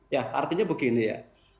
ya artinya begini ya